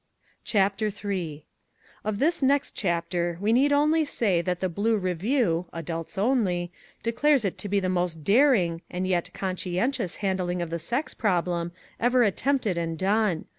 CHAPTER III Of this next chapter we need only say that the Blue Review (Adults Only) declares it to be the most daring and yet conscientious handling of the sex problem ever attempted and done.